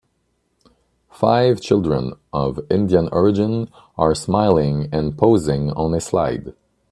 Five children of Indian origin are smiling and posing on a slide.